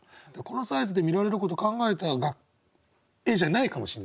このサイズで見られることを考えた絵じゃないかもしれないけどね。